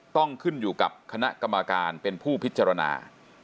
ต้องขึ้นอยู่กับคณะกรรมการเป็นผู้พิจารณา